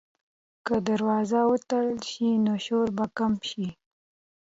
که دروازه وتړل شي، نو شور به کم شي.